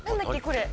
これ。